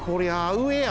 うえや！